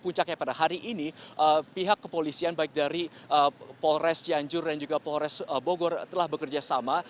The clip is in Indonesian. pada hari ini pihak kepolisian baik dari polres cianjur dan juga polres bogor telah bekerja sama